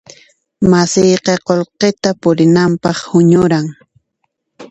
Masiyqa qullqita purinanpaq huñuran.